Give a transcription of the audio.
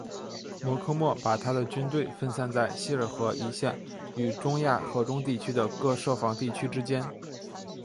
摩诃末把他的军队分散在锡尔河一线与中亚河中地区的各设防地区之间。